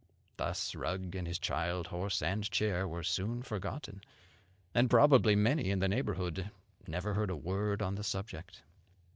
Thus Rugg and his child, horse and chair, were soon forgotten; and probably many in the neighbourhood never heard a word on the subject.